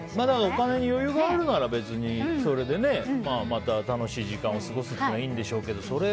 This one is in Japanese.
お金に余裕があるなら別にそれでまた楽しい時間を過ごせたらいいんでしょうけど。